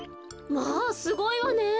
まあすごいわね。